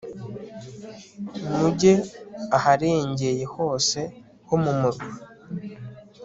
mujye aharengeye hose ho mu murwa